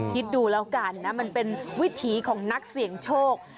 คิดดูแล้วกันนะมันเป็นวิถีของนักเสี่ยงโชค